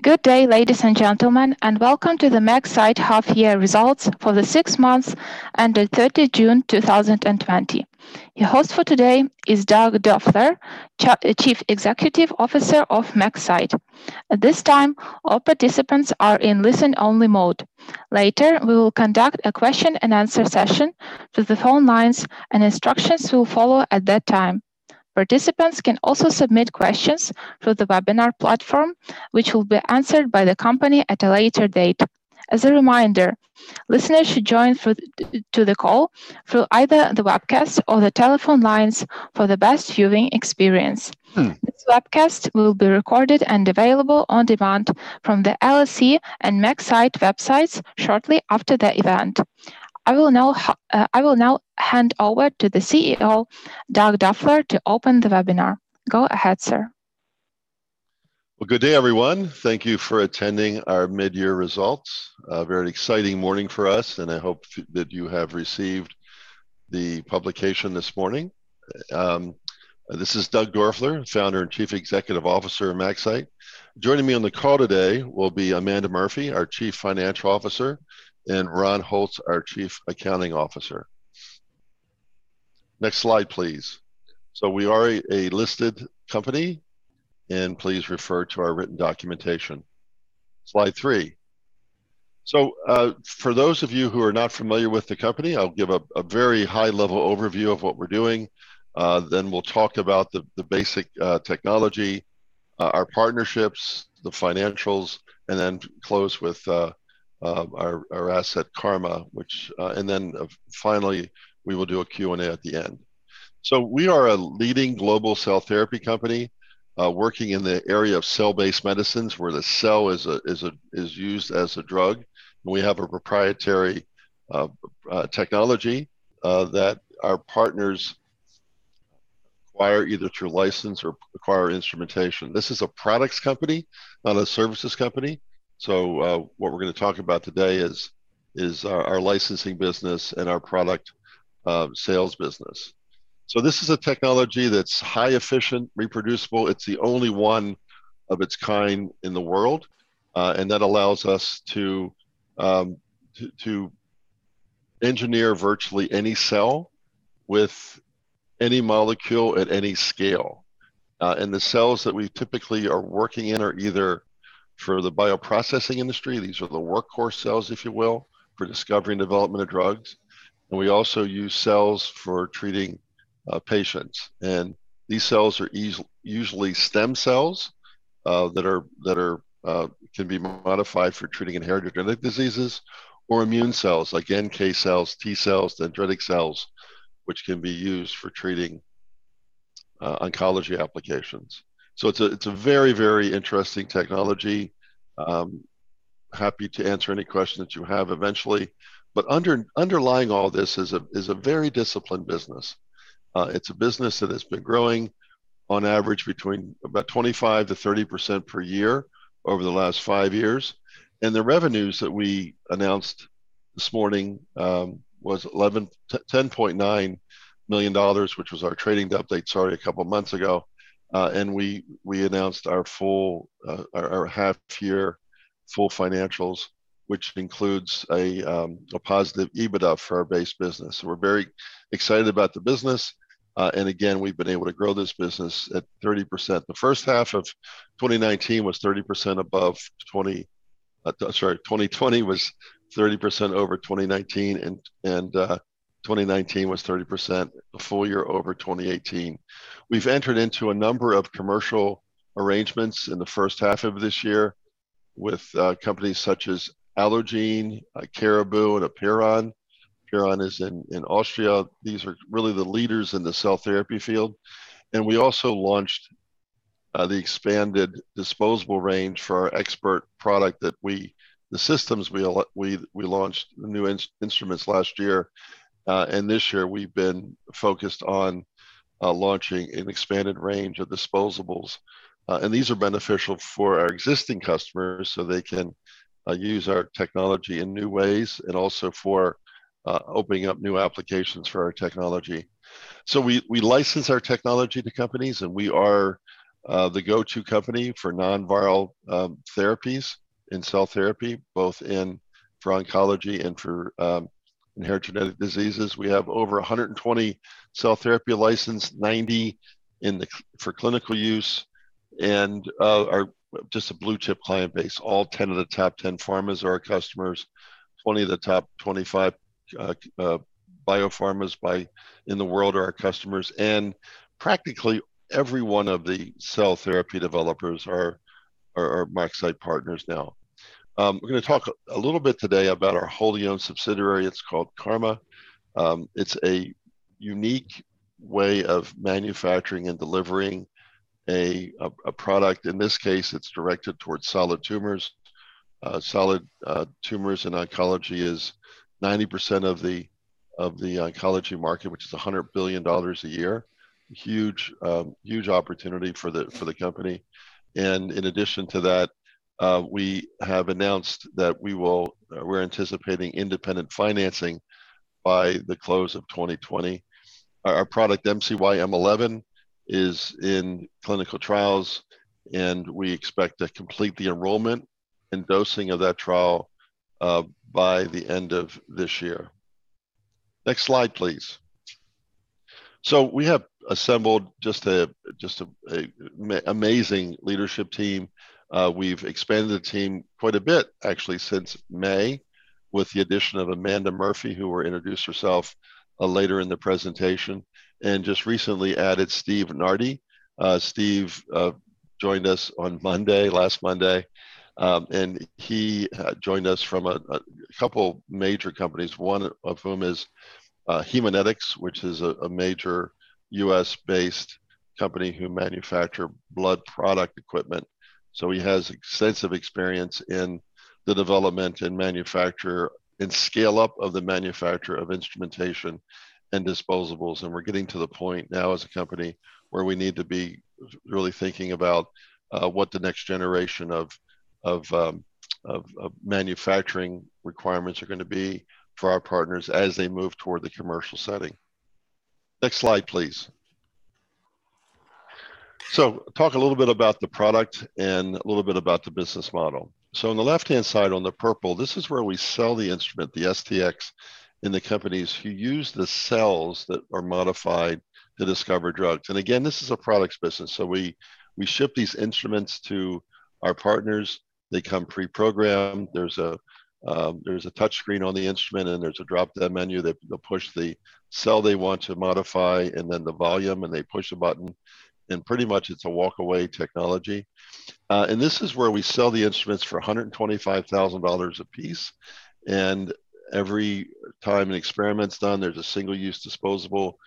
Good day, ladies and gentlemen, and welcome to the MaxCyte half year results for the six months ended 30 June 2020. Your host for today is Doug Doerfler, Chief Executive Officer of MaxCyte. At this time, all participants are in listen-only mode. Later, we will conduct a question and answer session through the phone lines, and instructions will follow at that time. Participants can also submit questions through the webinar platform, which will be answered by the company at a later date. As a reminder, listeners should join to the call through either the webcast or the telephone lines for the best viewing experience. This webcast will be recorded and available on demand from the LSE and MaxCyte websites shortly after the event. I will now hand over to the CEO, Doug Doerfler, to open the webinar. Go ahead, sir. Well, good day, everyone. Thank you for attending our mid-year results. A very exciting morning for us, and I hope that you have received the publication this morning. This is Doug Doerfler, founder and Chief Executive Officer of MaxCyte. Joining me on the call today will be Amanda Murphy, our Chief Financial Officer, and Ron Holtz, our Chief Accounting Officer. Next slide, please. We are a listed company, and please refer to our written documentation. Slide three. For those of you who are not familiar with the company, I'll give a very high-level overview of what we're doing, then we'll talk about the basic technology, our partnerships, the financials, and then close with our asset CARMA, and then finally, we will do a Q&A at the end. We are a leading global cell therapy company, working in the area of cell-based medicines, where the cell is used as a drug. We have a proprietary technology that our partners acquire either through license or acquire instrumentation. This is a products company, not a services company. What we're going to talk about today is our licensing business and our product sales business. This is a technology that's high efficient, reproducible. It's the only one of its kind in the world, and that allows us to engineer virtually any cell with any molecule at any scale. The cells that we typically are working in are either for the bioprocessing industry, these are the workhorse cells, if you will, for discovering development of drugs. We also use cells for treating patients. These cells are usually stem cells that can be modified for treating inherited genetic diseases or immune cells like NK cells, T cells, dendritic cells, which can be used for treating oncology applications. It's a very, very interesting technology. Happy to answer any questions that you have eventually. Underlying all this is a very disciplined business. It's a business that has been growing on average between about 25%-30% per year over the last five years. The revenues that we announced this morning was $10.9 million, which was our trading update, sorry, a couple of months ago. We announced our half year full financials, which includes a positive EBITDA for our base business. We're very excited about the business. Again, we've been able to grow this business at 30%. The first half of 2020 was 30% over 2019, and 2019 was 30% full year over 2018. We've entered into a number of commercial arrangements in the first half of this year with companies such as Allogene, Caribou, and APEIRON. APEIRON is in Austria. These are really the leaders in the cell therapy field. We also launched the expanded disposable range for our ExPERT product, the systems we launched, the new instruments last year, and this year, we've been focused on launching an expanded range of disposables. These are beneficial for our existing customers so they can use our technology in new ways and also for opening up new applications for our technology. We license our technology to companies, and we are the go-to company for nonviral therapies in cell therapy, both for oncology and for inherited genetic diseases. We have over 120 cell therapy licensed, 90 for clinical use, are just a blue-chip client base. All 10 of the top 10 pharmas are our customers, 20 of the top 25 biopharmas in the world are our customers, practically every one of the cell therapy developers are MaxCyte partners now. We're going to talk a little bit today about our wholly owned subsidiary. It's called CARMA. It's a unique way of manufacturing and delivering a product. In this case, it's directed towards solid tumors. Solid tumors in oncology is 90% of the oncology market, which is $100 billion a year. Huge opportunity for the company. In addition to that, we have announced that we're anticipating independent financing by the close of 2020. Our product, MCY-M11 is in clinical trials, we expect to complete the enrollment and dosing of that trial by the end of this year. Next slide, please. We have assembled just an amazing leadership team. We've expanded the team quite a bit, actually, since May, with the addition of Amanda Murphy, who will introduce herself later in the presentation, and just recently added Steve Nardi. Steve joined us on Monday, last Monday. He joined us from a couple major companies, one of whom is Haemonetics, which is a major U.S.-based company who manufacture blood product equipment. He has extensive experience in the development and manufacture, and scale-up of the manufacture of instrumentation and disposables. We're getting to the point now as a company where we need to be really thinking about what the next generation of manufacturing requirements are going to be for our partners as they move toward the commercial setting. Next slide, please. Talk a little bit about the product and a little bit about the business model. On the left-hand side, on the purple, this is where we sell the instrument, the STx, and the companies who use the cells that are modified to discover drugs. Again, this is a products business. We ship these instruments to our partners. They come pre-programmed. There is a touch screen on the instrument, and there is a drop-down menu. They will push the cell they want to modify and then the volume, and they push a button, and pretty much it is a walk-away technology. This is where we sell the instruments for $125,000 a piece. Every time an experiment is done, there is a single-use disposable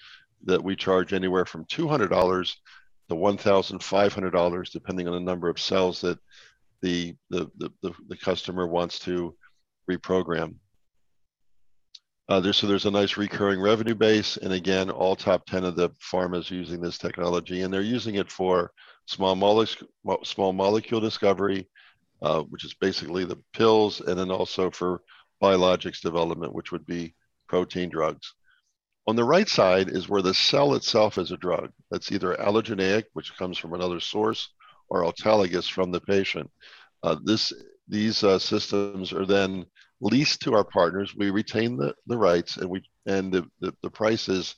that we charge anywhere from $200-$1,500, depending on the number of cells that the customer wants to reprogram. There's a nice recurring revenue base, and again, all top 10 of the pharmas using this technology. They're using it for small molecule discovery, which is basically the pills, and then also for biologics development, which would be protein drugs. On the right side is where the cell itself is a drug that's either allogeneic, which comes from another source, or autologous from the patient. These systems are then leased to our partners. We retain the rights, and the price is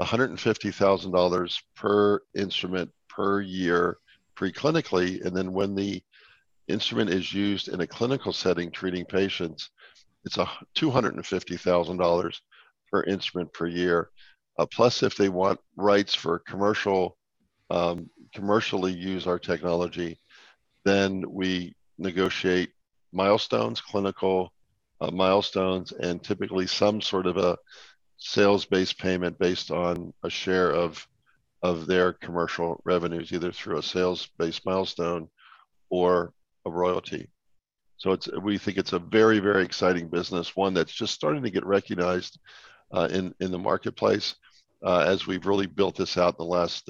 $150,000 per instrument per year pre-clinically, and then when the instrument is used in a clinical setting treating patients, it's $250,000 per instrument per year. Plus, if they want rights for commercially use our technology, then we negotiate milestones, clinical milestones, and typically some sort of a sales-based payment based on a share of their commercial revenues, either through a sales-based milestone or a royalty. We think it's a very, very exciting business, one that's just starting to get recognized in the marketplace as we've really built this out in the last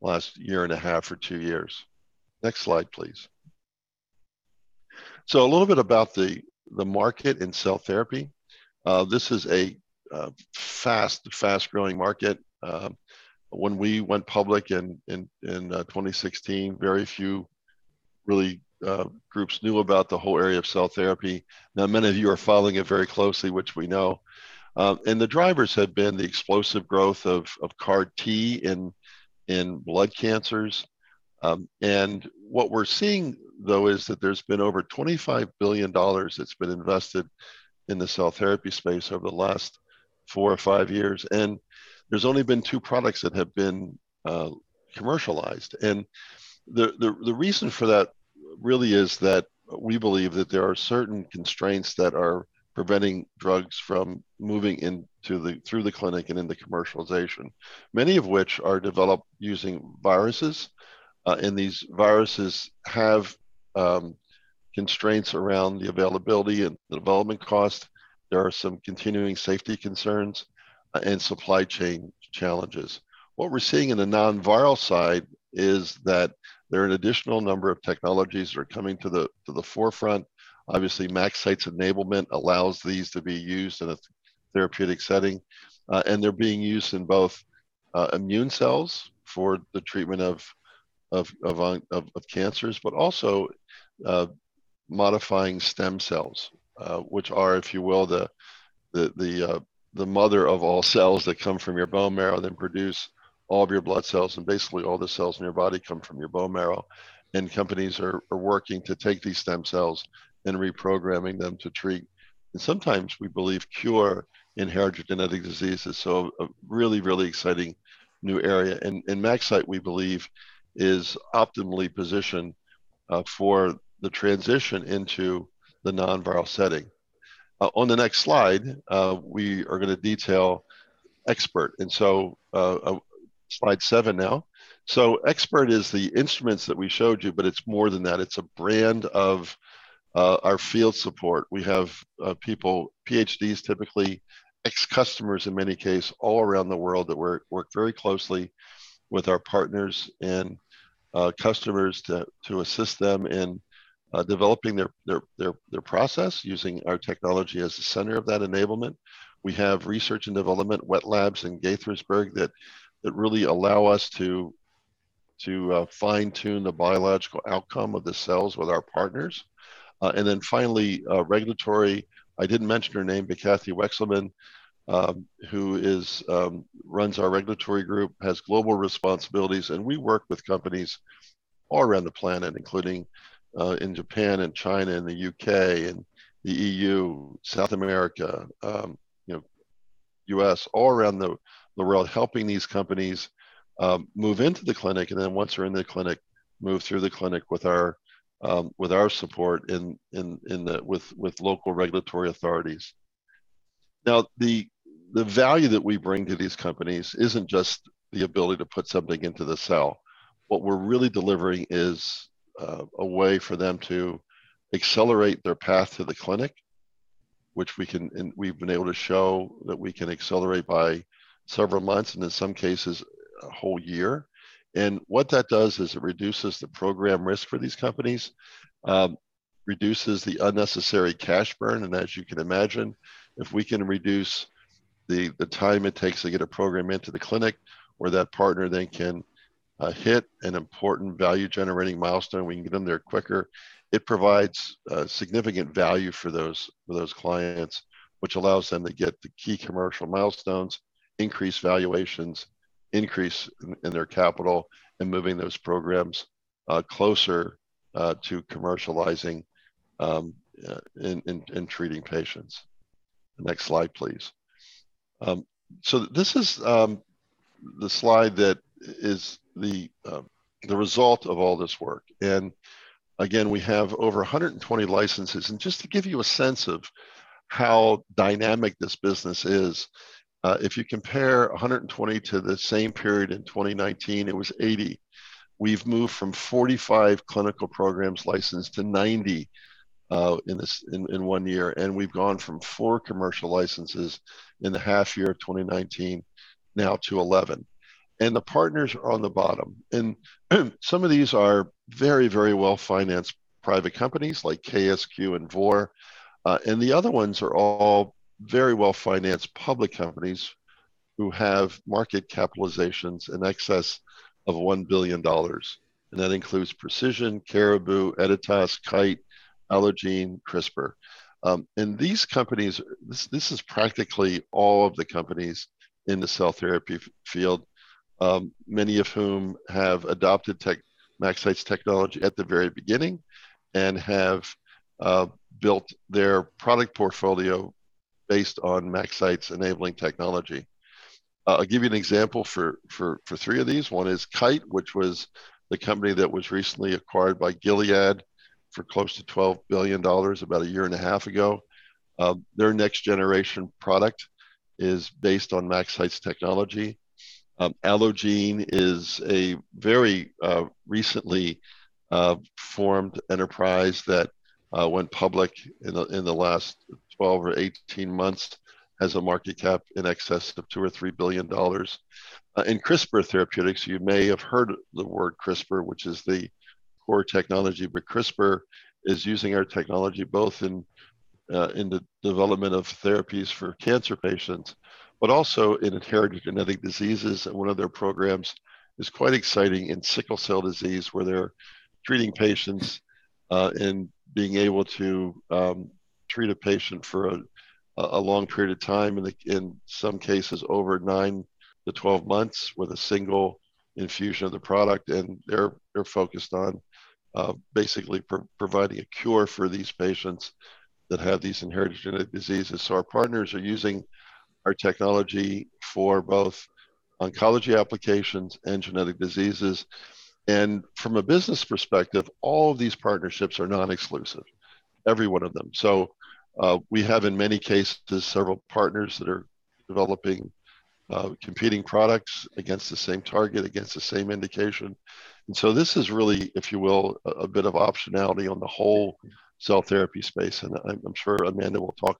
one and a half or two years. Next slide, please. A little bit about the market in cell therapy. This is a fast-growing market. When we went public in 2016, very few groups knew about the whole area of cell therapy. Now many of you are following it very closely, which we know. The drivers have been the explosive growth of CAR T in blood cancers. What we're seeing, though, is that there's been over $25 billion that's been invested in the cell therapy space over the last four or five years, and there's only been two products that have been commercialized. The reason for that really is that we believe that there are certain constraints that are preventing drugs from moving through the clinic and into commercialization, many of which are developed using viruses. These viruses have constraints around the availability and the development cost. There are some continuing safety concerns and supply chain challenges. What we're seeing in the non-viral side is that there are an additional number of technologies that are coming to the forefront. Obviously, MaxCyte's enablement allows these to be used in a therapeutic setting. They're being used in both immune cells for the treatment of cancers, but also modifying stem cells which are, if you will, the mother of all cells that come from your bone marrow, then produce all of your blood cells, and basically all the cells in your body come from your bone marrow. Companies are working to take these stem cells and reprogramming them to treat, and sometimes we believe cure, inherited genetic diseases. A really exciting new area. MaxCyte, we believe, is optimally positioned for the transition into the non-viral setting. On the next slide, we are going to detail ExPERT. Slide seven now. ExPERT is the instruments that we showed you, but it's more than that. It's a brand of our field support. We have people, PhDs, typically ex-customers in many case, all around the world that work very closely with our partners and customers to assist them in developing their process using our technology as the center of that enablement. We have research and development wet labs in Gaithersburg that really allow us to fine-tune the biological outcome of the cells with our partners. Finally, regulatory. I didn't mention her name, but Kathy Wekselman, who runs our regulatory group, has global responsibilities. We work with companies all around the planet, including in Japan and China and the U.K. and the E.U., South America, U.S., all around the world, helping these companies move into the clinic, and then once they're in the clinic, move through the clinic with our support and with local regulatory authorities. Now, the value that we bring to these companies isn't just the ability to put something into the cell. What we're really delivering is a way for them to accelerate their path to the clinic, which we've been able to show that we can accelerate by several months, and in some cases, a whole year. What that does is it reduces the program risk for these companies, reduces the unnecessary cash burn. As you can imagine, if we can reduce the time it takes to get a program into the clinic, or that partner then can hit an important value-generating milestone, we can get them there quicker. It provides significant value for those clients, which allows them to get the key commercial milestones, increase valuations, increase in their capital, and moving those programs closer to commercializing and treating patients. Next slide, please. This is the slide that is the result of all this work. Again, we have over 120 licenses. Just to give you a sense of how dynamic this business is, if you compare 120 to the same period in 2019, it was 80. We've moved from 45 clinical programs licensed to 90 in one year, and we've gone from four commercial licenses in the half year of 2019, now to 11. The partners are on the bottom. Some of these are very well-financed private companies like KSQ Therapeutics and Vor Biopharma, and the other ones are all very well-financed public companies who have market capitalizations in excess of $1 billion. That includes Precision BioSciences, Caribou Biosciences, Editas Medicine, Kite Pharma, Allogene Therapeutics, CRISPR Therapeutics. This is practically all of the companies in the cell therapy field, many of whom have adopted MaxCyte's technology at the very beginning and have built their product portfolio based on MaxCyte's enabling technology. I'll give you an example for three of these. One is Kite Pharma, which was the company that was recently acquired by Gilead Sciences for close to $12 billion about a year and a half ago. Their next generation product is based on MaxCyte's technology. Allogene is a very recently formed enterprise that went public in the last 12 or 18 months, has a market cap in excess of $2 billion or $3 billion. In CRISPR Therapeutics, you may have heard the word CRISPR, which is the core technology, but CRISPR is using our technology both in the development of therapies for cancer patients, but also in inherited genetic diseases. One of their programs is quite exciting in sickle cell disease, where they're treating patients and being able to treat a patient for a long period of time, in some cases over nine to 12 months with a single infusion of the product. They're focused on basically providing a cure for these patients that have these inherited genetic diseases. Our partners are using our technology for both oncology applications and genetic diseases. From a business perspective, all of these partnerships are non-exclusive, every one of them. We have, in many cases, several partners that are developing competing products against the same target, against the same indication. This is really, if you will, a bit of optionality on the whole cell therapy space, and I'm sure Amanda will talk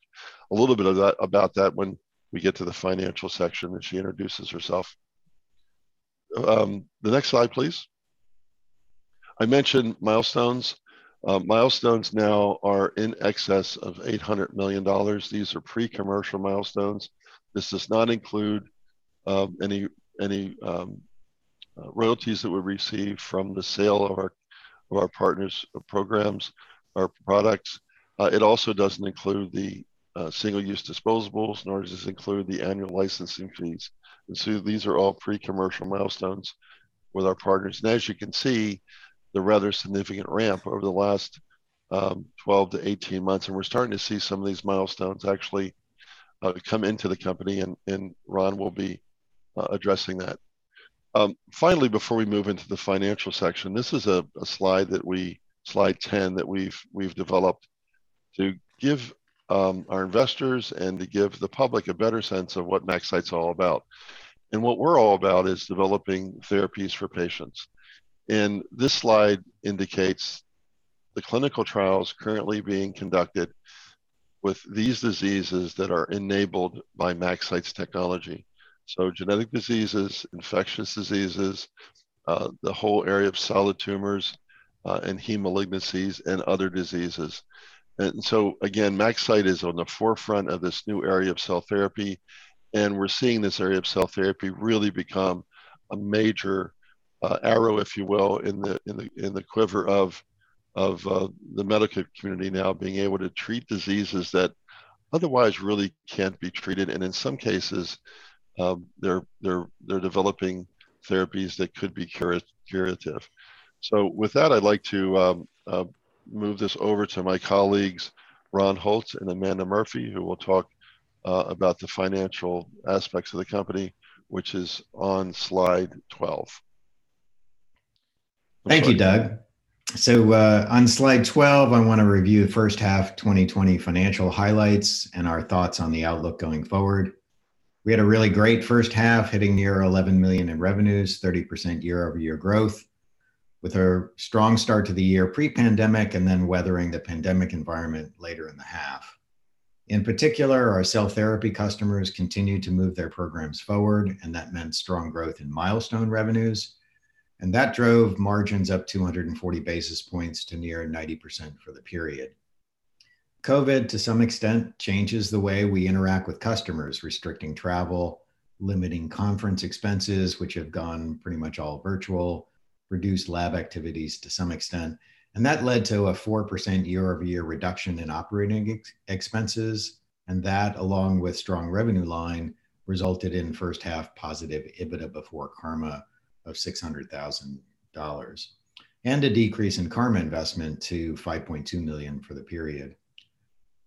a little bit about that when we get to the financial section, when she introduces herself. The next slide, please. I mentioned milestones. Milestones now are in excess of $800 million. These are pre-commercial milestones. This does not include any royalties that we receive from the sale of our partners' programs or products. It also doesn't include the single-use disposables, nor does this include the annual licensing fees. These are all pre-commercial milestones with our partners. As you can see, the rather significant ramp over the last 12-18 months, and we're starting to see some of these milestones actually come into the company, and Ron will be addressing that. Finally, before we move into the financial section, this is a slide 10 that we've developed to give our investors and to give the public a better sense of what MaxCyte's all about. What we're all about is developing therapies for patients. This slide indicates the clinical trials currently being conducted with these diseases that are enabled by MaxCyte's technology. Genetic diseases, infectious diseases, the whole area of solid tumors, and heme malignancies, and other diseases. Again, MaxCyte is on the forefront of this new area of cell therapy, and we're seeing this area of cell therapy really become a major arrow, if you will, in the quiver of the medical community now being able to treat diseases that otherwise really can't be treated, and in some cases, they're developing therapies that could be curative. With that, I'd like to move this over to my colleagues, Ron Holtz and Amanda Murphy, who will talk about the financial aspects of the company, which is on slide 12. Thank you, Doug. On slide 12, I want to review first half 2020 financial highlights and our thoughts on the outlook going forward. We had a really great first half, hitting near $11 million in revenues, 30% year-over-year growth, with a strong start to the year pre-pandemic and then weathering the pandemic environment later in the half. In particular, our cell therapy customers continued to move their programs forward, and that meant strong growth in milestone revenues, and that drove margins up 240 basis points to near 90% for the period. COVID, to some extent, changes the way we interact with customers, restricting travel, limiting conference expenses, which have gone pretty much all virtual, reduced lab activities to some extent, and that led to a 4% year-over-year reduction in operating expenses, and that, along with strong revenue line, resulted in first half positive EBITDA before CARMA of $600,000, and a decrease in CARMA investment to $5.2 million for the period.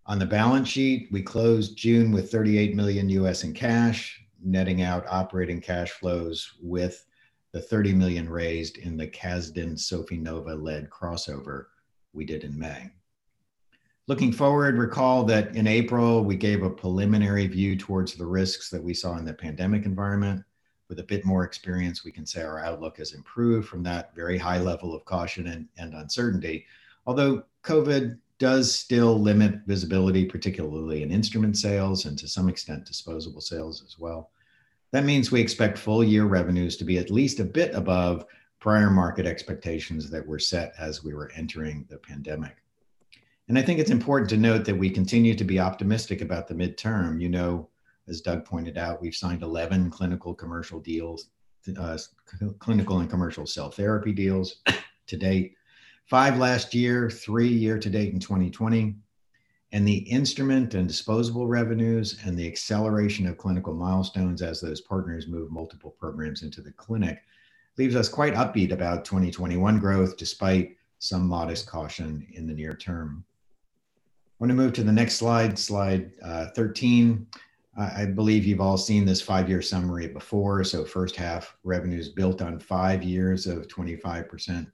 On the balance sheet, we closed June with $38 million U.S. in cash, netting out operating cash flows with the $30 million raised in the Casdin Sofinnova-led crossover we did in May. Looking forward, recall that in April, we gave a preliminary view towards the risks that we saw in the pandemic environment. With a bit more experience, we can say our outlook has improved from that very high level of caution and uncertainty. Although COVID does still limit visibility, particularly in instrument sales and, to some extent, disposable sales as well. That means we expect full year revenues to be at least a bit above prior market expectations that were set as we were entering the pandemic. I think it's important to note that we continue to be optimistic about the midterm. As Doug pointed out, we've signed 11 clinical and commercial cell therapy deals to date, five last year, three year to date in 2020. The instrument and disposable revenues and the acceleration of clinical milestones as those partners move multiple programs into the clinic leaves us quite upbeat about 2021 growth, despite some modest caution in the near term. Want to move to the next slide 13. I believe you've all seen this five-year summary before. First half revenues built on five years of 25%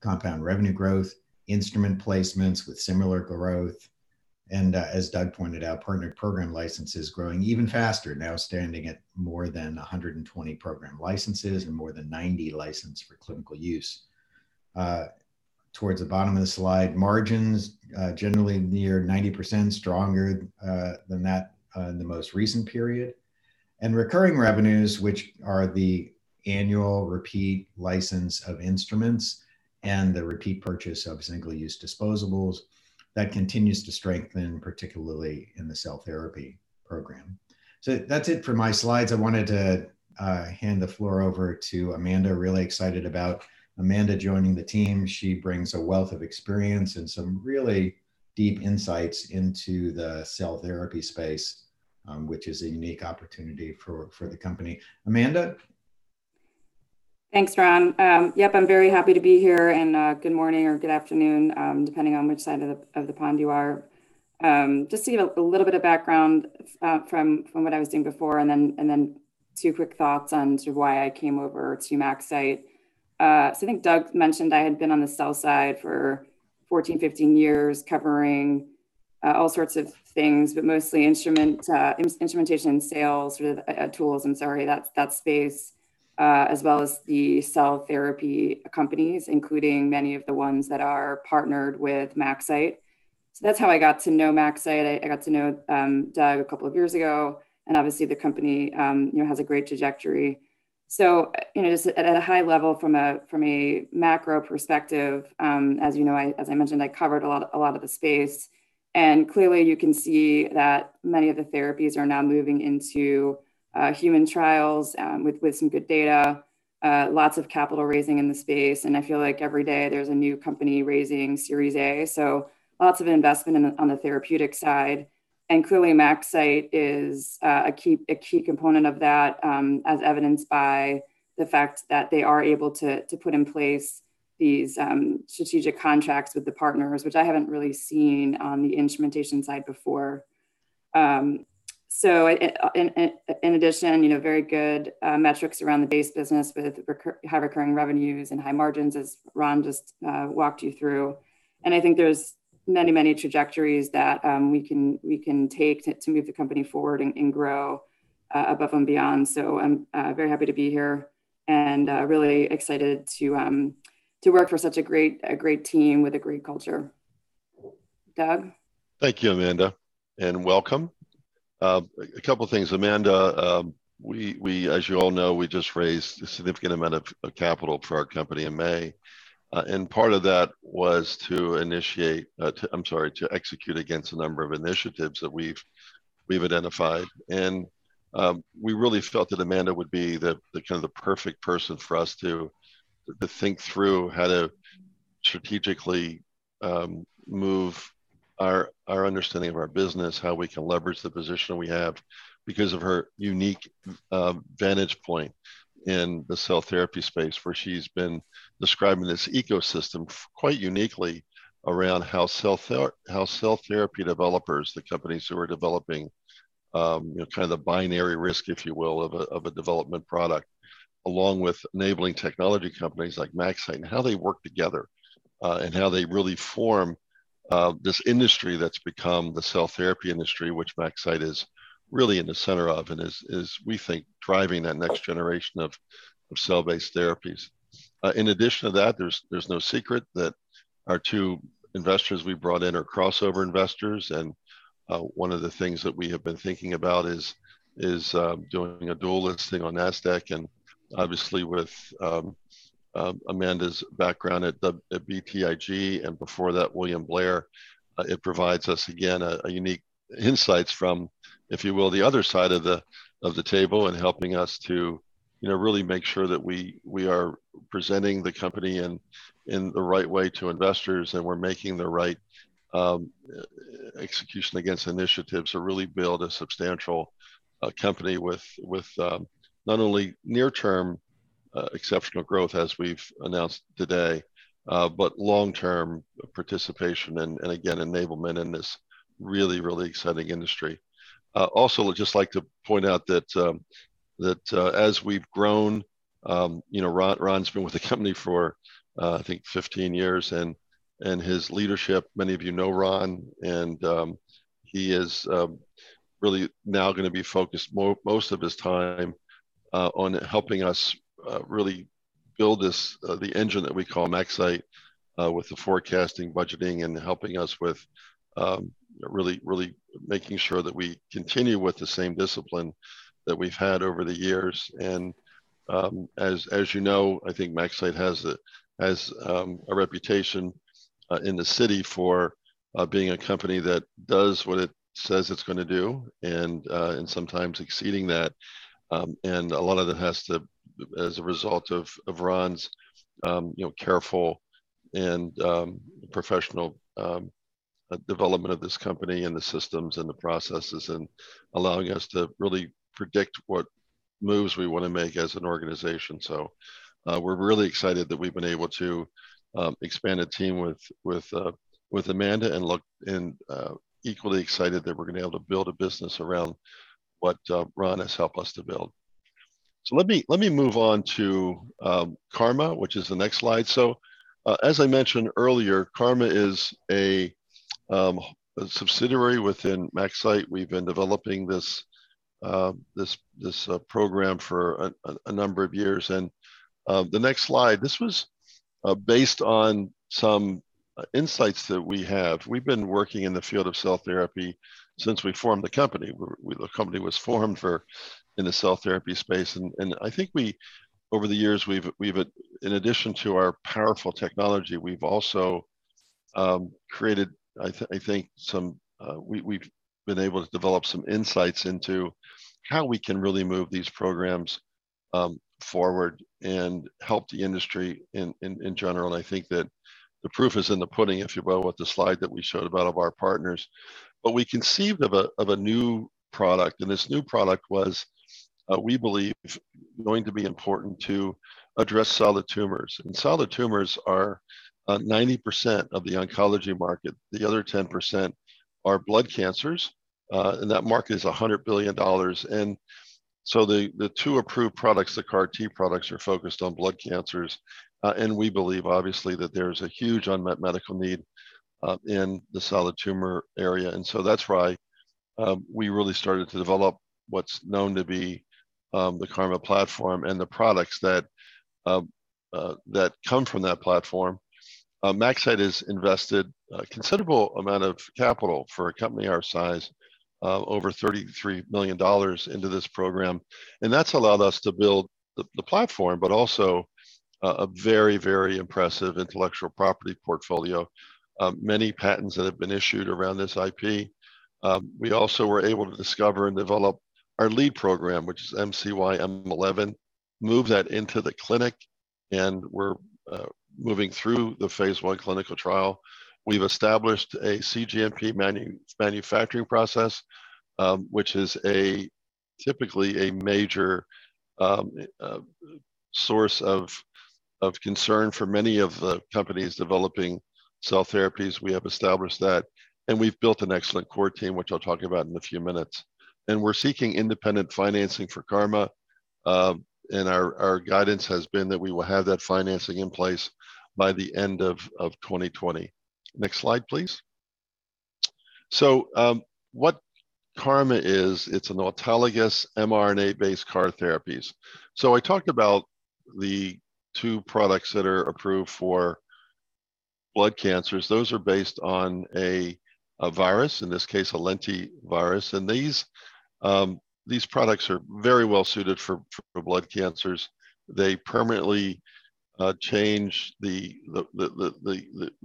compound revenue growth, instrument placements with similar growth, and as Doug pointed out, partnered program licenses growing even faster, now standing at more than 120 program licenses and more than 90 licensed for clinical use. Towards the bottom of the slide, margins generally near 90%, stronger than that in the most recent period. Recurring revenues, which are the annual repeat license of instruments and the repeat purchase of single-use disposables, that continues to strengthen, particularly in the cell therapy program. That's it for my slides. I wanted to hand the floor over to Amanda. Really excited about Amanda joining the team. She brings a wealth of experience and some really deep insights into the cell therapy space, which is a unique opportunity for the company. Amanda? Thanks, Ron. Yep, I'm very happy to be here, and good morning or good afternoon, depending on which side of the pond you are. Just to give a little bit of background from what I was doing before, and then two quick thoughts on to why I came over to MaxCyte. I think Doug mentioned I had been on the sell side for 14, 15 years, covering all sorts of things, but mostly instrumentation sales with tools, I'm sorry, that space, as well as the cell therapy companies, including many of the ones that are partnered with MaxCyte. That's how I got to know MaxCyte. I got to know Doug a couple of years ago, and obviously the company has a great trajectory. Just at a high level from a macro perspective, as you know, as I mentioned, I covered a lot of the space, and clearly you can see that many of the therapies are now moving into human trials with some good data, lots of capital raising in the space, and I feel like every day there's a new company raising Series A. Lots of investment on the therapeutics side. Clearly, MaxCyte is a key component of that, as evidenced by the fact that they are able to put in place these strategic contracts with the partners, which I haven't really seen on the instrumentation side before. In addition, very good metrics around the base business with high recurring revenues and high margins, as Ron just walked you through. I think there's many trajectories that we can take to move the company forward and grow above and beyond. I'm very happy to be here and really excited to work for such a great team with a great culture. Doug? Thank you, Amanda, and welcome. A couple of things, Amanda. As you all know, we just raised a significant amount of capital for our company in May, and part of that was to execute against a number of initiatives that we've identified. We really felt that Amanda would be the perfect person for us to think through how to strategically move our understanding of our business, how we can leverage the position we have because of her unique vantage point in the cell therapy space, where she's been describing this ecosystem quite uniquely around how cell therapy developers, the companies who are developing the binary risk, if you will, of a development product, along with enabling technology companies like MaxCyte. How they work together. How they really form this industry that's become the cell therapy industry, which MaxCyte is really in the center of. Is, we think, driving that next generation of cell-based therapies.In addition to that, there's no secret that our two investors we brought in are crossover investors. One of the things that we have been thinking about is doing a dual listing on Nasdaq and obviously with Amanda's background at BTIG and before that, William Blair, it provides us, again, unique insights from, if you will, the other side of the table and helping us to really make sure that we are presenting the company in the right way to investors and we're making the right execution against initiatives to really build a substantial company with not only near-term exceptional growth as we've announced today, but long-term participation and, again, enablement in this really, really exciting industry. Also, I'd just like to point out that as we've grown, Ron's been with the company for, I think, 15 years, and his leadership, many of you know Ron, and he is really now going to be focused most of his time on helping us really build the engine that we call MaxCyte with the forecasting, budgeting, and helping us with really making sure that we continue with the same discipline that we've had over the years. As you know, I think MaxCyte has a reputation in the city for being a company that does what it says it's going to do and sometimes exceeding that. A lot of it has to, as a result of Ron's careful and professional development of this company and the systems and the processes and allowing us to really predict what moves we want to make as an organization. We're really excited that we've been able to expand a team with Amanda and equally excited that we're going to be able to build a business around what Ron has helped us to build. Let me move on to CARMA, which is the next slide. As I mentioned earlier, CARMA is a subsidiary within MaxCyte. We've been developing this program for a number of years. The next slide, this was based on some insights that we have. We've been working in the field of cell therapy since we formed the company. The company was formed in the cell therapy space, and I think over the years, in addition to our powerful technology, we've also created, I think we've been able to develop some insights into how we can really move these programs forward and help the industry in general. I think that the proof is in the pudding, if you will, with the slide that we showed about our partners. We conceived of a new product, and this new product was, we believe, going to be important to address solid tumors. Solid tumors are 90% of the oncology market. The other 10% are blood cancers, and that market is $100 billion. The two approved products, the CAR T products, are focused on blood cancers. We believe, obviously, that there's a huge unmet medical need in the solid tumor area. That's why we really started to develop what's known to be the CARMA platform and the products that come from that platform. MaxCyte has invested a considerable amount of capital for a company our size, over $33 million into this program, that's allowed us to build the platform, but also a very, very impressive intellectual property portfolio. Many patents that have been issued around this IP. We also were able to discover and develop our lead program, which is MCY-M11, move that into the clinic, we're moving through the phase I clinical trial. We've established a cGMP manufacturing process, which is typically a major source of concern for many of the companies developing cell therapies. We have established that, we've built an excellent core team, which I'll talk about in a few minutes. We're seeking independent financing for CARMA. Our guidance has been that we will have that financing in place by the end of 2020. Next slide, please. What CARMA is, it's an autologous mRNA-based CAR therapies. I talked about the two products that are approved for blood cancers. Those are based on a virus, in this case, a lentivirus. These products are very well suited for blood cancers. They permanently change the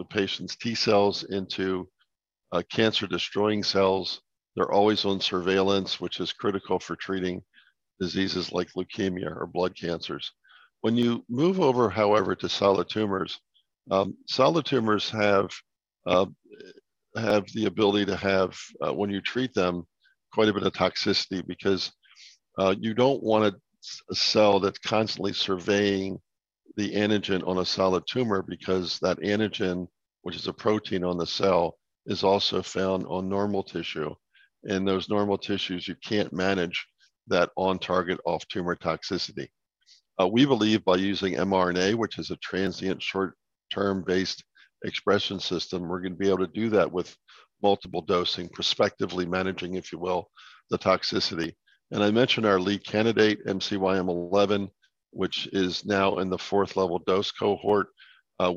patient's T cells into cancer destroying cells. They're always on surveillance, which is critical for treating diseases like leukemia or blood cancers. When you move over, however, to solid tumors, solid tumors have the ability to have, when you treat them, quite a bit of toxicity because you don't want a cell that's constantly surveying the antigen on a solid tumor because that antigen, which is a protein on the cell, is also found on normal tissue. In those normal tissues, you can't manage that on target off tumor toxicity. We believe by using mRNA, which is a transient short-term based expression system, we're going to be able to do that with multiple dosing, prospectively managing, if you will, the toxicity. I mentioned our lead candidate, MCY-M11, which is now in the level four dose cohort. I'm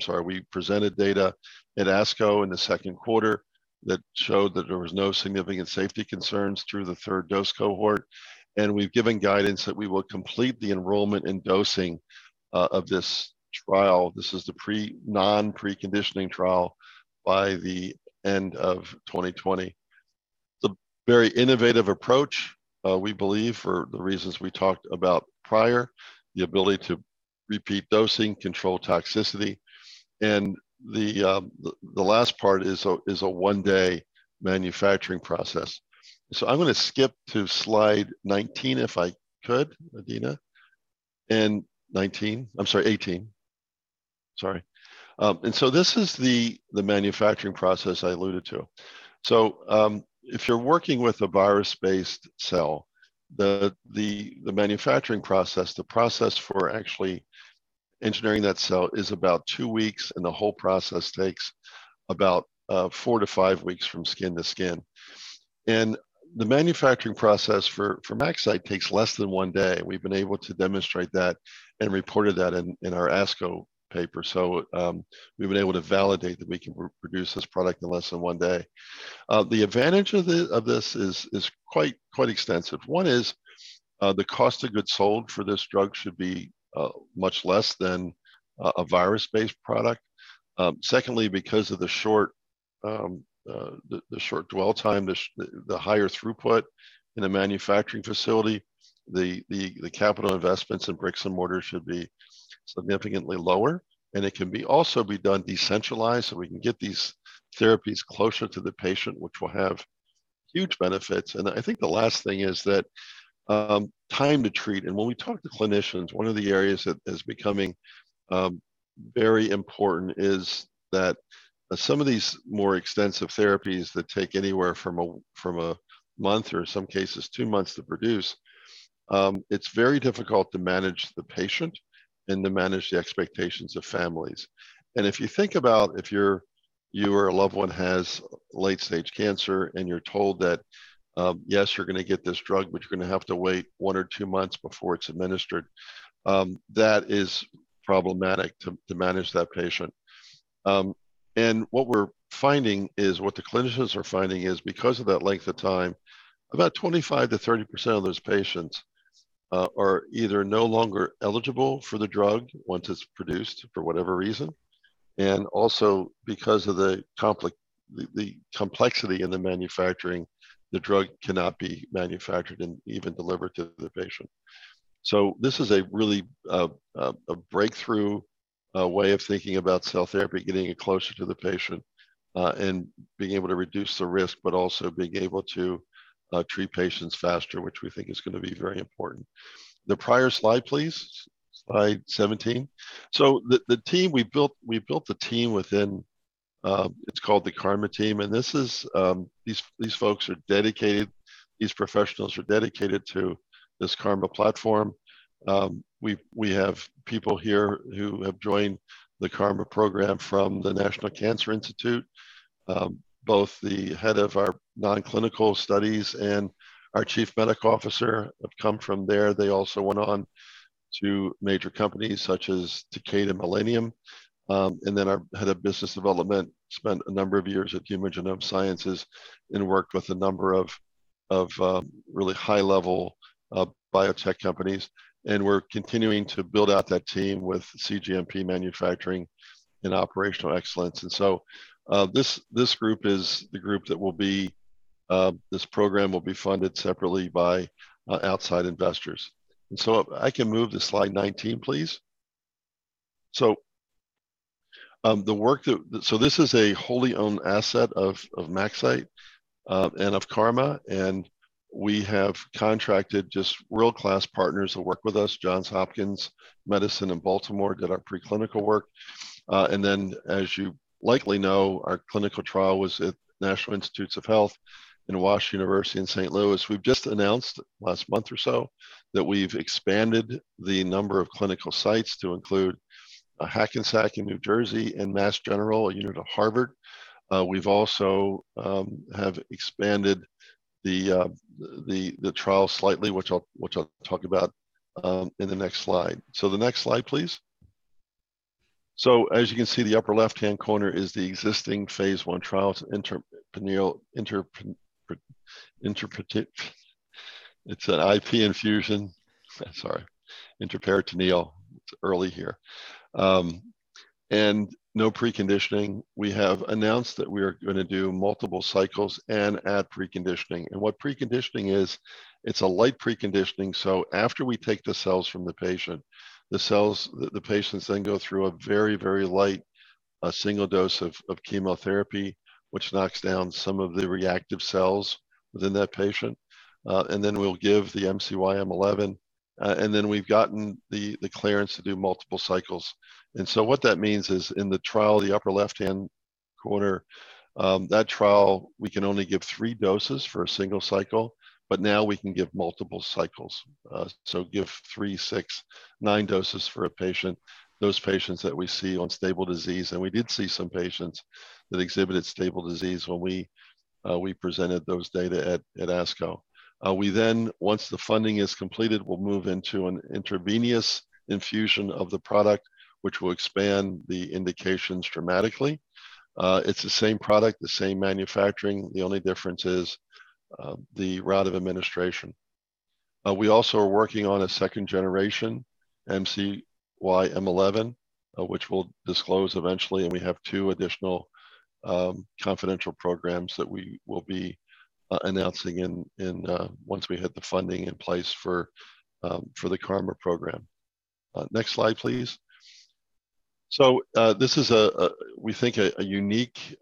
sorry. We presented data at ASCO in the second quarter that showed that there was no significant safety concerns through the third dose cohort, and we've given guidance that we will complete the enrollment and dosing of this trial, this is the non-preconditioning trial, by the end of 2020. It's a very innovative approach, we believe, for the reasons we talked about prior, the ability to repeat dosing, control toxicity, and the last part is a one-day manufacturing process. I'm going to skip to slide 19 if I could, Adina. 19. I'm sorry, 18. Sorry. This is the manufacturing process I alluded to. If you're working with a virus-based cell, the manufacturing process, the process for actually engineering that cell is about two weeks, and the whole process takes about four to five weeks from skin to skin. The manufacturing process for MaxCyte takes less than one day. We've been able to demonstrate that and reported that in our ASCO paper. We've been able to validate that we can produce this product in less than one day. The advantage of this is quite extensive. One is the cost of goods sold for this drug should be much less than a virus-based product. Secondly, because of the short dwell time, the higher throughput in a manufacturing facility, the capital investments in bricks and mortar should be significantly lower, and it can be also be done decentralized so we can get these therapies closer to the patient, which will have huge benefits. I think the last thing is that time to treat, and when we talk to clinicians, one of the areas that is becoming very important is that some of these more extensive therapies that take anywhere from a month or in some cases two months to produce, it's very difficult to manage the patient and to manage the expectations of families. If you think about if you or a loved one has late-stage cancer and you're told that, yes, you're going to get this drug, but you're going to have to wait one or two months before it's administered, that is problematic to manage that patient. What we're finding is, what the clinicians are finding is because of that length of time, about 25%-30% of those patients are either no longer eligible for the drug once it's produced for whatever reason, and also because of the complexity in the manufacturing, the drug cannot be manufactured and even delivered to the patient. This is a really, a breakthrough way of thinking about cell therapy, getting it closer to the patient, and being able to reduce the risk, but also being able to treat patients faster, which we think is going to be very important. The prior slide, please. Slide 17. We built the team within, it's called the CARMA team, and these folks are dedicated, these professionals are dedicated to this CARMA platform. We have people here who have joined the CARMA program from the National Cancer Institute, both the head of our non-clinical studies and our chief medical officer have come from there. They also went on to major companies such as Takeda Millennium. Our head of business development spent a number of years at Human Genome Sciences and worked with a number of really high level biotech companies, and we're continuing to build out that team with cGMP manufacturing and operational excellence. This program will be funded separately by outside investors. I can move to slide 19, please. This is a wholly owned asset of MaxCyte, and of CARMA, and we have contracted just world-class partners that work with us. Johns Hopkins Medicine in Baltimore did our preclinical work. As you likely know, our clinical trial was at National Institutes of Health and Washington University in St. Louis. We've just announced last month or so that we've expanded the number of clinical sites to include Hackensack in New Jersey and Mass General, a unit of Harvard. We've also have expanded the trial slightly, which I'll talk about in the next slide. The next slide, please. As you can see, the upper left-hand corner is the existing phase I trial. It's an IP infusion. Sorry, intraperitoneal. It's early here. No preconditioning. We have announced that we are going to do multiple cycles and add preconditioning. What preconditioning is, it's a light preconditioning, so after we take the cells from the patient, the patients then go through a very light, single dose of chemotherapy, which knocks down some of the reactive cells within that patient. Then we'll give the MCY-M11, and then we've gotten the clearance to do multiple cycles. What that means is in the trial, the upper left-hand corner, that trial, we can only give three doses for a single cycle, but now we can give multiple cycles. So give three, six, nine doses for a patient, those patients that we see on stable disease. We did see some patients that exhibited stable disease when we presented those data at ASCO. We then, once the funding is completed, we'll move into an intravenous infusion of the product, which will expand the indications dramatically. It's the same product, the same manufacturing. The only difference is the route of administration. We also are working on a second generation MCY-M11, which we'll disclose eventually, and we have two additional confidential programs that we will be announcing once we hit the funding in place for the CARMA program. Next slide, please. This is, we think, a unique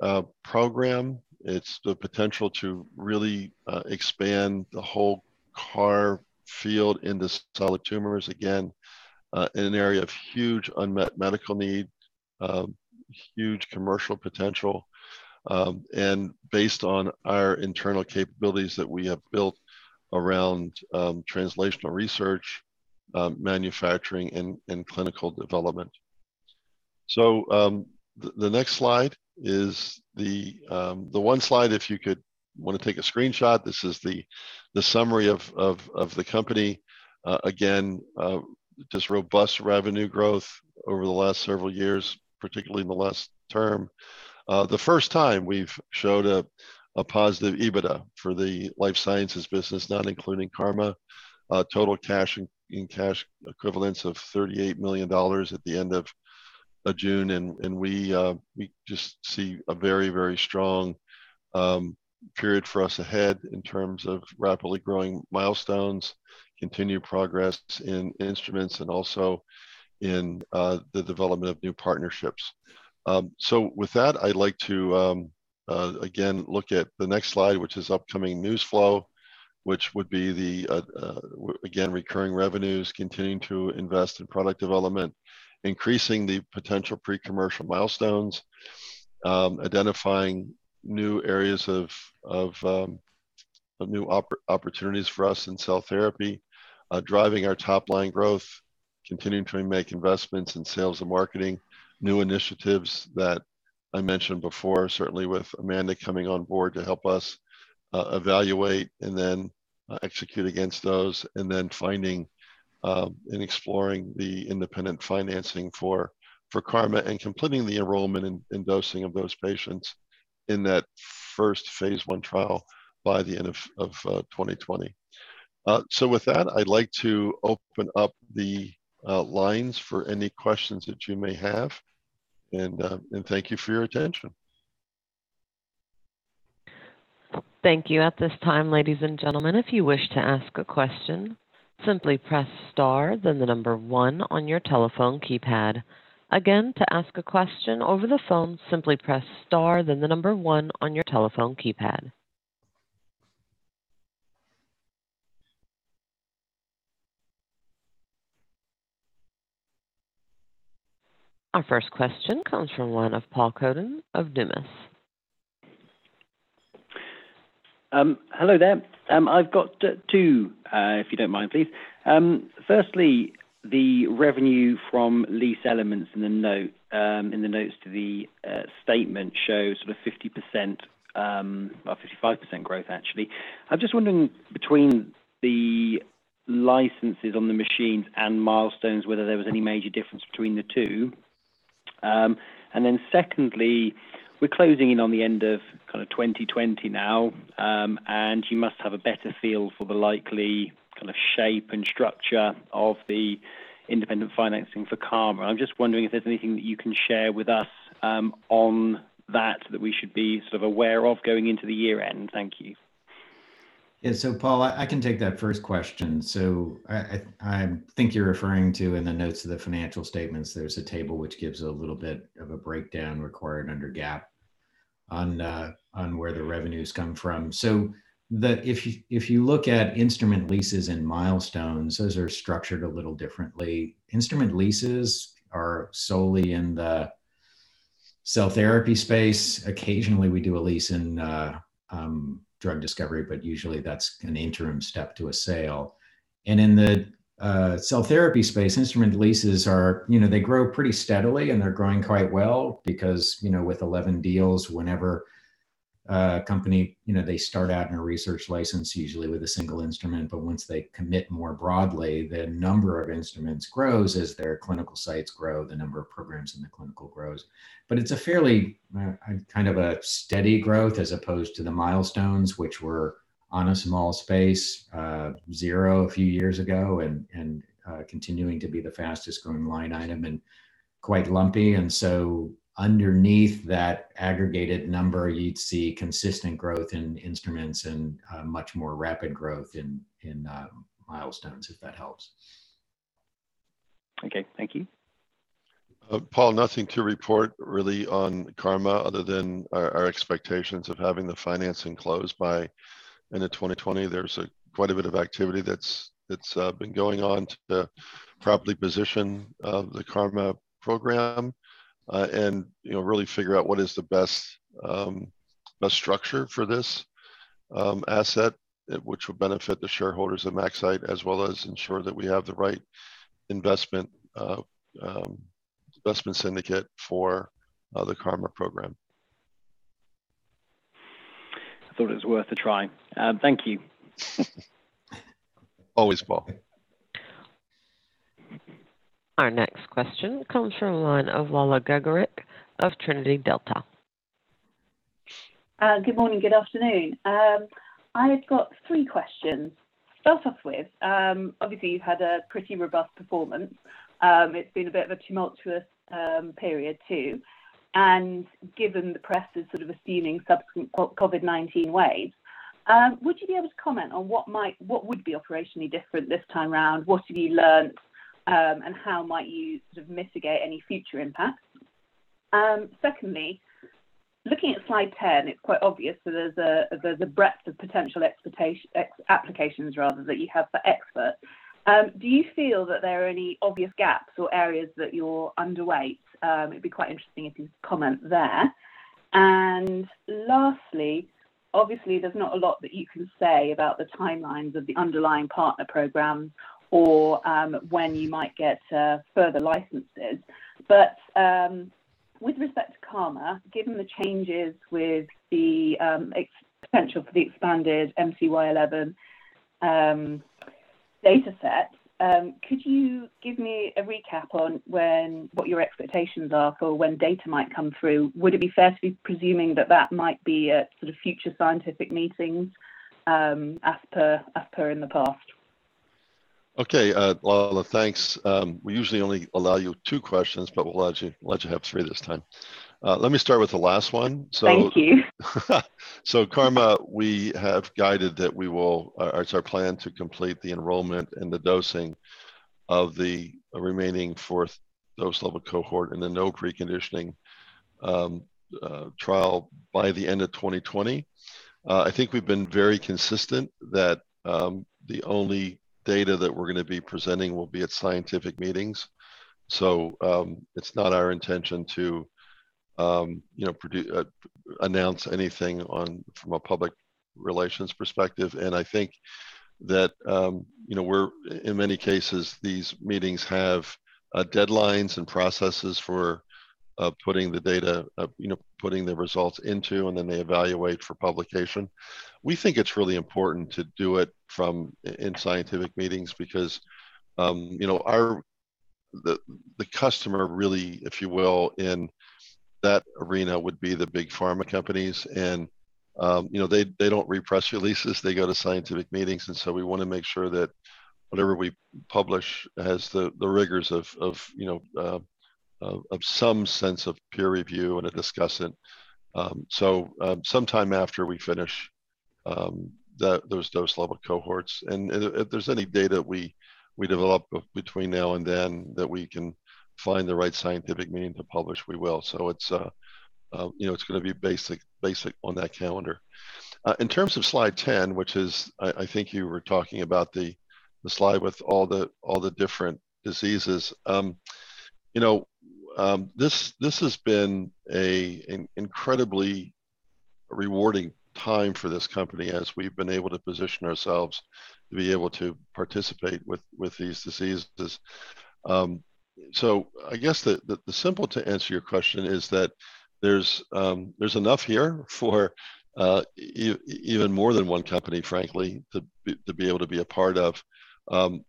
program. It's the potential to really expand the whole CAR field into solid tumors, again, in an area of huge unmet medical need, huge commercial potential, and based on our internal capabilities that we have built around translational research, manufacturing, and clinical development. The next slide is the one slide, if you want to take a screenshot, this is the summary of the company. Again, just robust revenue growth over the last several years, particularly in the last term. The first time we've showed a positive EBITDA for the life sciences business, not including CARMA. Total cash and cash equivalents of $38 million at the end of June, we just see a very strong period for us ahead in terms of rapidly growing milestones, continued progress in instruments, and also in the development of new partnerships. With that, I'd like to, again, look at the next slide, which is upcoming news flow, which would be the, again, recurring revenues, continuing to invest in product development, increasing the potential pre-commercial milestones, identifying new areas of new opportunities for us in cell therapy, driving our top-line growth, continuing to make investments in sales and marketing, new initiatives that I mentioned before, certainly with Amanda coming on board to help us evaluate and then execute against those, and then finding and exploring the independent financing for CARMA and completing the enrollment and dosing of those patients in that first phase I trial by the end of 2020. With that, I'd like to open up the lines for any questions that you may have, and thank you for your attention. Thank you. At this time, ladies and gentlemen, if you wish to ask a question, simply press star then the number one on your telephone keypad. Again, to ask a question over the phone, simply press star then the number one on your telephone keypad. Our first question comes from the line of Paul Cuddon of Numis. Hello there. I've got two, if you don't mind, please. Firstly, the revenue from lease elements in the notes to the statement shows sort of 50%, or 55% growth, actually. I'm just wondering between the licenses on the machines and milestones, whether there was any major difference between the two. Secondly, we're closing in on the end of kind of 2020 now, and you must have a better feel for the likely kind of shape and structure of the independent financing for CARMA. I'm just wondering if there's anything that you can share with us on that we should be sort of aware of going into the year-end. Thank you. Paul, I can take that first question. I think you're referring to in the notes of the financial statements, there's a table which gives a little bit of a breakdown required under GAAP on where the revenues come from. If you look at instrument leases and milestones, those are structured a little differently. Instrument leases are solely in the cell therapy space. Occasionally, we do a lease in drug discovery, but usually that's an interim step to a sale. In the cell therapy space, instrument leases are, they grow pretty steadily and they're growing quite well because with 11 deals, whenever a company, they start out in a research license, usually with a single instrument, but once they commit more broadly, the number of instruments grows as their clinical sites grow, the number of programs in the clinical grows. It's a fairly kind of a steady growth as opposed to the milestones which were on a small space, zero a few years ago, and continuing to be the fastest-growing line item and quite lumpy. Underneath that aggregated number, you'd see consistent growth in instruments and much more rapid growth in milestones, if that helps. Okay. Thank you. Paul, nothing to report really on CARMA other than our expectations of having the financing closed by end of 2020. There's quite a bit of activity that's been going on to properly position the CARMA program, and really figure out what is the best structure for this asset, which will benefit the shareholders of MaxCyte, as well as ensure that we have the right investment syndicate for the CARMA program. I thought it was worth a try. Thank you. Always, Paul. Our next question comes from the line of Lala Gregorek of Trinity Delta. Good morning, good afternoon. I have got three questions. To start off with, obviously you've had a pretty robust performance. It's been a bit of a tumultuous period too. Given the press is sort of assuming subsequent COVID-19 waves, would you be able to comment on what would be operationally different this time around, what have you learned, and how might you sort of mitigate any future impacts? Secondly, looking at slide 10, it's quite obvious that there's a breadth of potential applications rather that you have for ExPERT. Do you feel that there are any obvious gaps or areas that you're underweight? It'd be quite interesting if you could comment there. Lastly, obviously there's not a lot that you can say about the timelines of the underlying partner program or when you might get further licenses. With respect to CARMA, given the changes with the potential for the expanded MCY-M11 dataset, could you give me a recap on what your expectations are for when data might come through? Would it be fair to be presuming that that might be at sort of future scientific meetings, as per in the past? Okay. Lala, thanks. We usually only allow you two questions, but we'll let you have three this time. Let me start with the last one. Thank you. CARMA, it's our plan to complete the enrollment and the dosing of the remaining 4th dose level cohort in the no preconditioning trial by the end of 2020. I think we've been very consistent that the only data that we're going to be presenting will be at scientific meetings. It's not our intention to announce anything from a public relations perspective, and I think that in many cases, these meetings have deadlines and processes for putting the results into, and then they evaluate for publication. We think it's really important to do it in scientific meetings because the customer really, if you will, in that arena would be the big pharma companies, and they don't read press releases. They go to scientific meetings. We want to make sure that whatever we publish has the rigors of some sense of peer review and a discussant. Sometime after we finish those dose level cohorts, and if there's any data we develop between now and then that we can find the right scientific meeting to publish, we will. It's going to be based on that calendar. In terms of slide 10, which is, I think you were talking about the slide with all the different diseases. This has been an incredibly rewarding time for this company as we've been able to position ourselves to be able to participate with these diseases. I guess the simple to answer your question is that there's enough here for even more than one company, frankly, to be able to be a part of.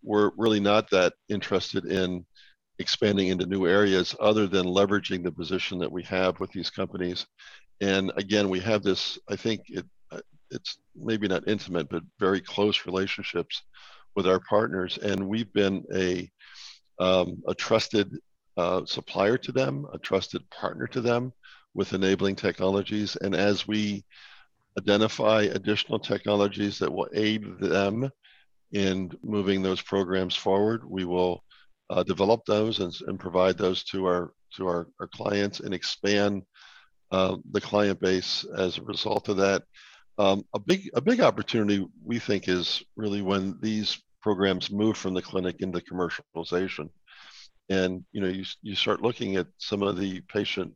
We're really not that interested in expanding into new areas other than leveraging the position that we have with these companies. Again, we have this, not intimate, but very close relationships with our partners, and we've been a trusted supplier to them, a trusted partner to them with enabling technologies. As we identify additional technologies that will aid them in moving those programs forward, we will develop those and provide those to our clients and expand the client base as a result of that. A big opportunity, we think is really when these programs move from the clinic into commercialization, and you start looking at some of the patient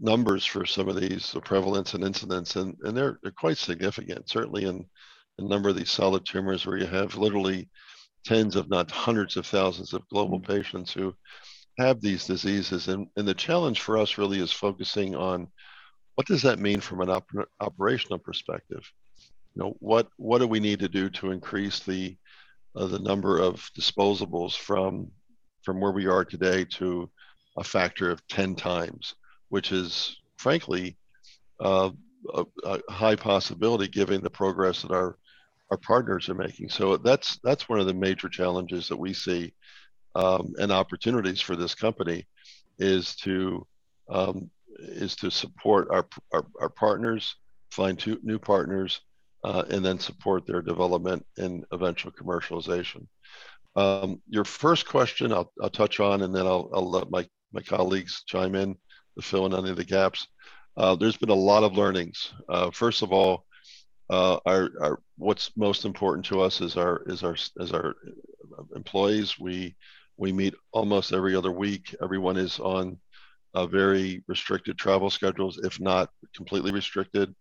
numbers for some of these, the prevalence and incidence, and they're quite significant, certainly in a number of these solid tumors where you have literally tens if not hundreds of thousands of global patients who have these diseases. The challenge for us really is focusing on what does that mean from an operational perspective. What do we need to do to increase the number of disposables from where we are today to a factor of 10 times, which is frankly a high possibility given the progress that our partners are making. That's one of the major challenges that we see, and opportunities for this company, is to support our partners, find new partners, and then support their development and eventual commercialization. Your first question I'll touch on and then I'll let my colleagues chime in, fill in any of the gaps. There's been a lot of learnings. First of all, what's most important to us is our employees. We meet almost every other week. Everyone is on very restricted travel schedules, if not completely restricted.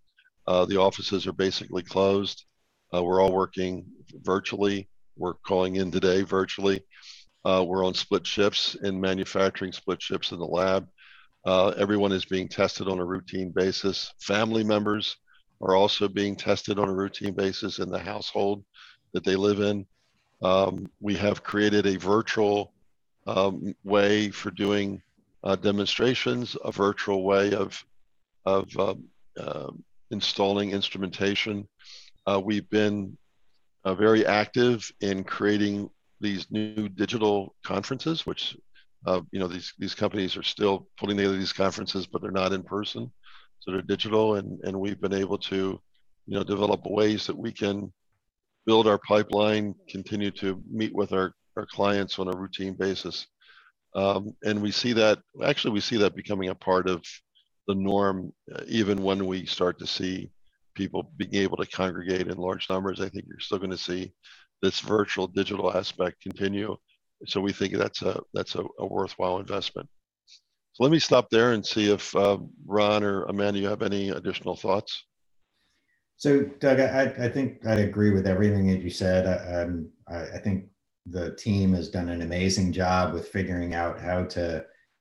The offices are basically closed. We're all working virtually. We're calling in today virtually. We're on split shifts in manufacturing, split shifts in the lab. Everyone is being tested on a routine basis. Family members are also being tested on a routine basis in the household that they live in. We have created a virtual way for doing demonstrations, a virtual way of installing instrumentation. We've been very active in creating these new digital conferences, which these companies are still pulling together these conferences, but they're not in person, so they're digital. We've been able to develop ways that we can build our pipeline, continue to meet with our clients on a routine basis. Actually, we see that becoming a part of the norm, even when we start to see people being able to congregate in large numbers. I think you're still going to see this virtual digital aspect continue, so we think that's a worthwhile investment. Let me stop there and see if Ron or Amanda, you have any additional thoughts. Doug, I think I agree with everything that you said. I think the team has done an amazing job with figuring out how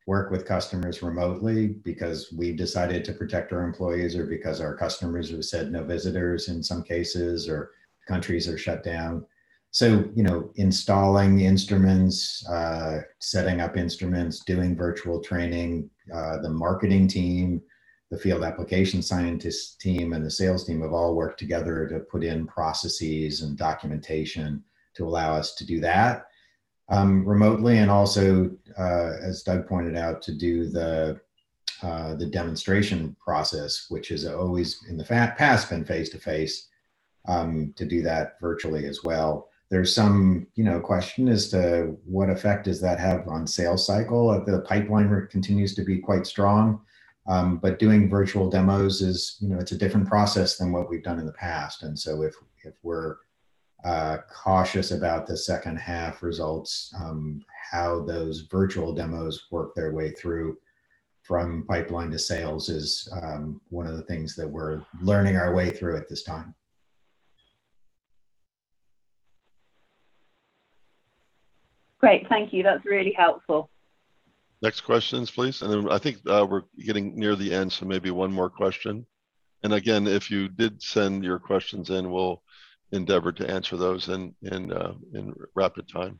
to work with customers remotely because we've decided to protect our employees or because our customers have said no visitors in some cases, or countries are shut down. Installing the instruments, setting up instruments, doing virtual training. The marketing team, the field application scientists team, and the sales team have all worked together to put in processes and documentation to allow us to do that remotely, and also, as Doug pointed out, to do the demonstration process, which has always in the past been face-to-face, to do that virtually as well. There's some question as to what effect does that have on sales cycle. The pipeline route continues to be quite strong, but doing virtual demos it's a different process than what we've done in the past. If we're cautious about the second half results, how those virtual demos work their way through from pipeline to sales is one of the things that we're learning our way through at this time. Great. Thank you. That's really helpful. Next questions, please, then I think we're getting near the end, so maybe one more question. Again, if you did send your questions in, we'll endeavor to answer those in rapid time.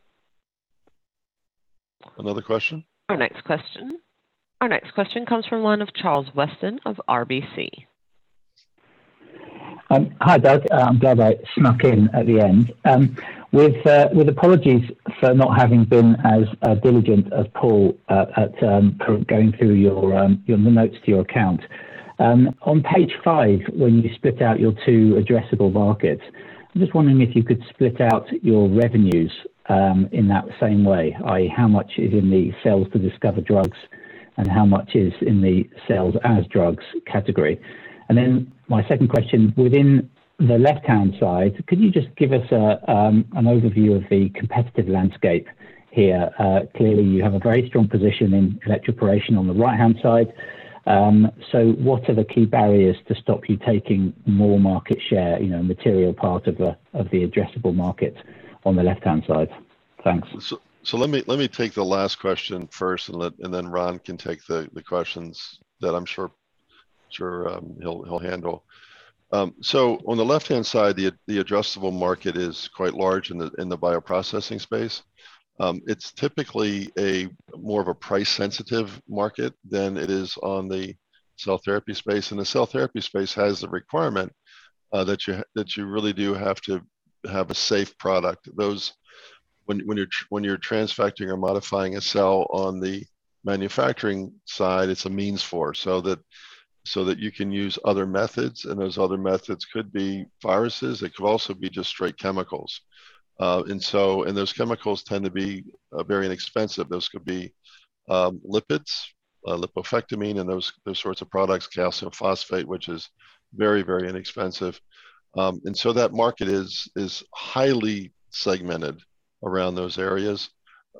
Another question? Our next question comes from the line of Charles Weston of RBC. Hi, Doug. I'm glad I snuck in at the end. With apologies for not having been as diligent as Paul at going through your notes to your account. On page five, when you split out your two addressable markets, I'm just wondering if you could split out your revenues in that same way, i.e., how much is in the sales to discover drugs and how much is in the sales as drugs category? My second question, within the left-hand side, could you just give us an overview of the competitive landscape here? Clearly you have a very strong position in electroporation on the right-hand side, what are the key barriers to stop you taking more market share, a material part of the addressable market on the left-hand side? Thanks. Let me take the last question first. Ron can take the questions that I'm sure he'll handle. On the left-hand side, the addressable market is quite large in the bioprocessing space. It's typically more of a price-sensitive market than it is on the cell therapy space. The cell therapy space has the requirement that you really do have to have a safe product. When you're transfecting or modifying a cell on the manufacturing side, it's a means for, so that you can use other methods, and those other methods could be viruses, it could also be just straight chemicals. Those chemicals tend to be very inexpensive. Those could be lipids, Lipofectamine, and those sorts of products, calcium phosphate, which is very, very inexpensive. That market is highly segmented around those areas.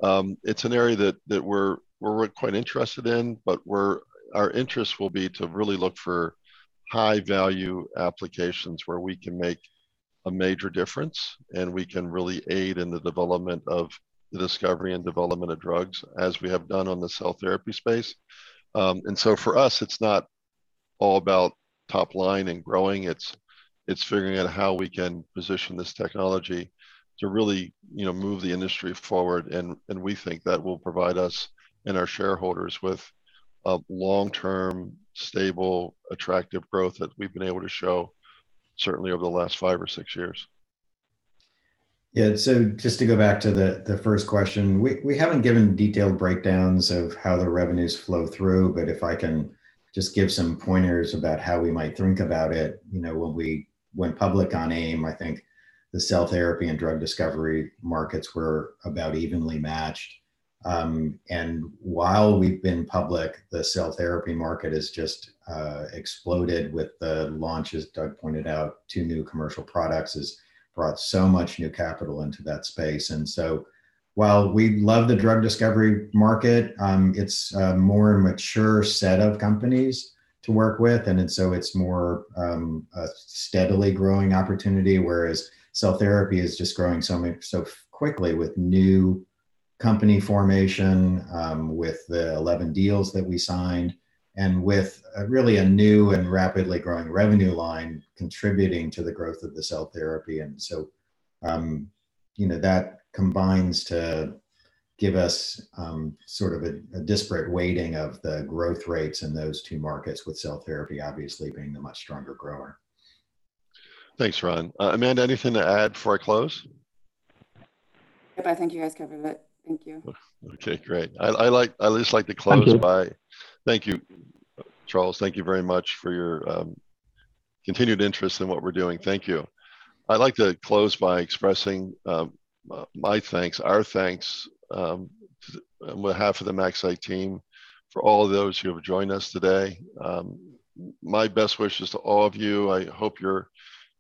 It's an area that we're quite interested in. Our interest will be to really look for high-value applications where we can make a major difference, and we can really aid in the discovery and development of drugs, as we have done on the cell therapy space. For us, it's not all about top line and growing, it's figuring out how we can position this technology to really move the industry forward. We think that will provide us and our shareholders with a long-term, stable, attractive growth that we've been able to show certainly over the last five or six years. Yeah. Just to go back to the first question, we haven't given detailed breakdowns of how the revenues flow through, but if I can just give some pointers about how we might think about it. When we went public on AIM, I think the cell therapy and drug discovery markets were about evenly matched. While we've been public, the cell therapy market has just exploded with the launch, as Doug pointed out, two new commercial products has brought so much new capital into that space. While we love the drug discovery market, it's a more mature set of companies to work with, so it's more a steadily growing opportunity, whereas cell therapy is just growing so quickly with new company formation, with the 11 deals that we signed and with really a new and rapidly growing revenue line contributing to the growth of the cell therapy. That combines to give us sort of a disparate weighting of the growth rates in those two markets, with cell therapy obviously being the much stronger grower. Thanks, Ron. Amanda, anything to add before I close? Yep, I think you guys covered it. Thank you. Okay, great. Thank you. Thank you, Charles. Thank you very much for your continued interest in what we're doing. Thank you. I'd like to close by expressing my thanks, our thanks, on behalf of the MaxCyte team, for all of those who have joined us today. My best wishes to all of you. I hope you're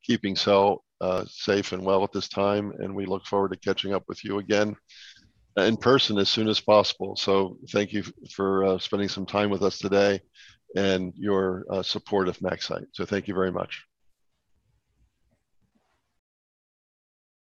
keeping safe and well at this time, and we look forward to catching up with you again in person as soon as possible. Thank you for spending some time with us today and your support of MaxCyte. Thank you very much.